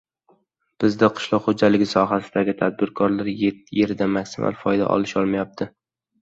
Bizda qishloq xoʻjaligi sohasidagi tadbirkorlar yerdan maksimal foyda olisholmayapti.